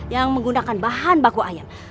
yang menggunakan bahan baku air